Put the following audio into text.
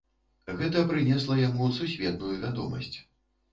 Гэта прынесла яму сусветную вядомасць.